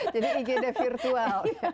jadi igd virtual